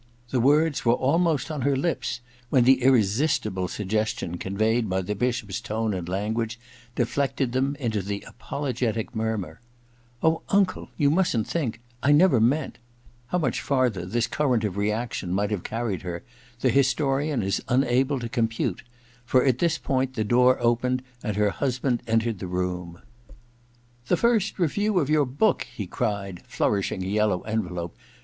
The words were almost on her lips when the irresistible suggestion conveyed by the Bishop's tone and language deflected them into the apologetic murmur, *Oh, unde, you mustn't think — I never meant ' How much farther this current of reaction might have carried her the historian is unable to com pute, for at this point the door opened and her husband entered the room. • The first review of your book !' he cried, flourishing a yellow envelope.